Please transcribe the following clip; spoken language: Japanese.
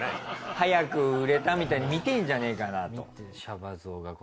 早く売れたみたいに見てんじゃねえかなと。